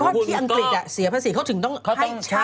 ก็พี่อังกฤษเสียภาษีเขาถึงต้องให้เช่า